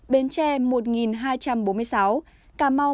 bến tre một hai trăm bốn mươi sáu cà mau một bốn trăm một mươi sáu